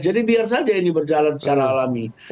jadi biar saja ini berjalan secara alami